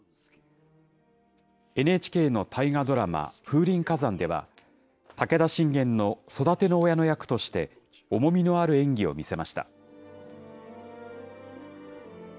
ＮＨＫの大河ドラマ、風林火山では、武田信玄の育ての親の役として重みのある演技を見せました。